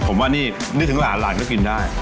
ผมว่านี่นึกถึงหลานหลานก็กินได้